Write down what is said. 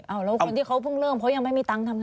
แล้วคนที่เขาเพิ่งเริ่มเพราะยังไม่มีตังค์ทำไง